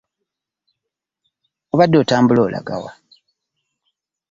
Obadde otambula olaga wa?